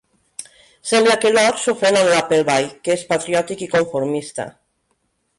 Sembla que l'Orr s'ofèn amb l'Appleby, que és patriòtic i conformista.